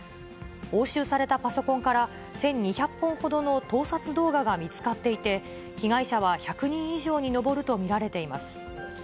押収されたパソコンから１２００本ほどの盗撮動画が見つかっていて、被害者は１００人以上に上ると見られています。